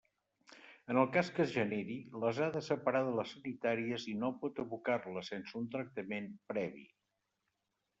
En el cas que en generi, les ha de separar de les sanitàries i no pot abocar-les sense un tractament previ.